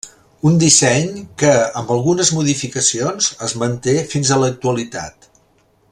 Un disseny que, amb algunes modificacions, es manté fins a l'actualitat.